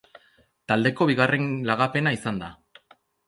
Taldeko bigarren lagapena izan da.